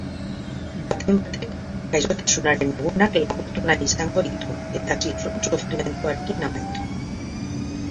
Baten batek, gaixotasunaren egunak laburtu nahi izango ditu eta sufrimentuarekin amaitu.